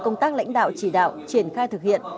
các lãnh đạo chỉ đạo triển khai thực hiện